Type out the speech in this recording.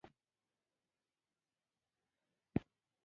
د مالدارۍ د څارویو نسل لوړول د تولید لوړوالي کې مرسته کوي.